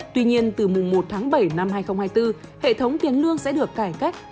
tuy nhiên từ mùng một tháng bảy năm hai nghìn hai mươi bốn hệ thống tiền lương sẽ được cải cách